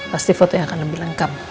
pasti foto yang akan lebih lengkap